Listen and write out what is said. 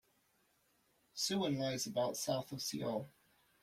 Suwon lies about south of Seoul.